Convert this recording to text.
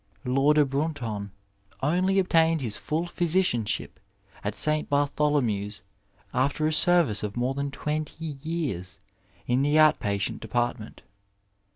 Lauder Brunton only obtained his full physicianship at St. Bartholomew's after a service of more than twenty years in the out patient department.